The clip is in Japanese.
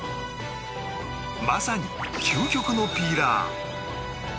まさに究極のピーラー